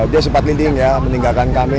dia sempat leanding ya meninggalkan kami